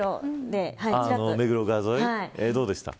目黒川沿い、どうでした。